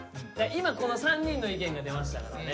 今この３人の意見が出ましたからね。